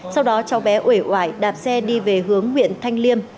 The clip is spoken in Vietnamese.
sau đó cháu bé ủi ủi đạp xe đi về hướng huyện thanh liêm